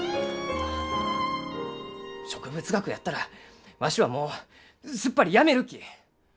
植物学やったらわしはもうすっぱりやめるき！